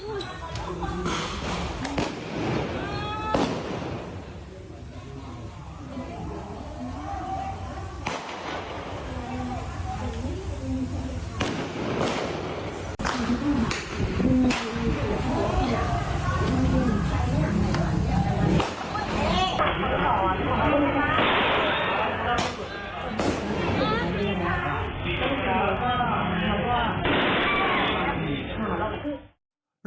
อืม